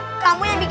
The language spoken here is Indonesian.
sekarang ini ide aku